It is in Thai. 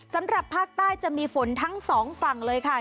สำหรับภาคใต้จะมีฝนทั้งสองฝั่งเลยค่ะ